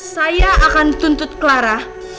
saya akan tuntut clara